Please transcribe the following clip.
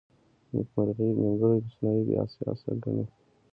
نیمګړی مصنوعي بې اساسه ګڼي.